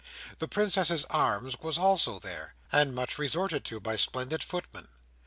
The Princess's Arms was also there, and much resorted to by splendid footmen.